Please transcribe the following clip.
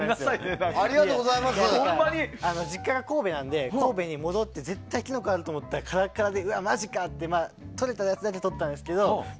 実家が神戸なので神戸に戻って絶対にキノコがあると思ったらカラッカラでうわ、マジかってとれるやつだけとったんですけど。